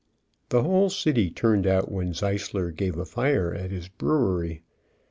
The whole city turned out when Zeis ler gave a fire at his brewery.